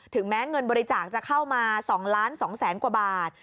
ถึงแม้เงินบริจาคจะเข้ามา๒ล้าน๒แสนกว่าบาท